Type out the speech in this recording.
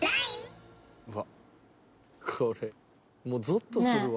これもうゾッとするわ。